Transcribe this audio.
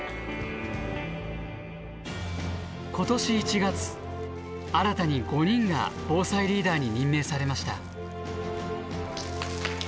今年１月新たに５人が防災リーダーに任命されました。